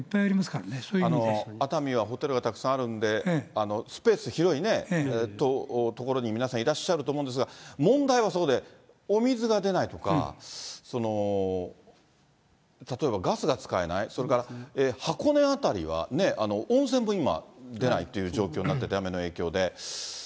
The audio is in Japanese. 熱海はホテルがたくさんありますんで、スペース、広いね、ところに皆さん、いらっしゃると思うんですが、問題は、そこでお水が出ないとか、例えばガスが使えない、それから箱根辺りは、温泉も今、出ないという状況になってて、雨の影響で。